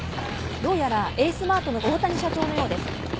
どうやらエースマートの大谷社長のようです。